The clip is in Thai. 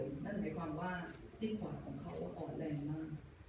นั่นเหมือนกับความว่าสิ้นขวาของเขาอ่อนแรงมาก